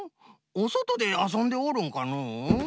おそとであそんでおるんかのう？